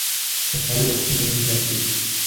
صفائی رکھی نہیں جاتی۔